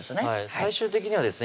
最終的にはですね